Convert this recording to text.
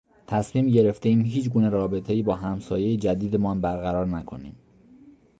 تصمیم گرفتهایم هیچگونه رابطهای با همسایهی جدیدمان برقرار نکنیم.